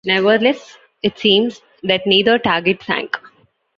Nevertheless, it seems that neither target sank.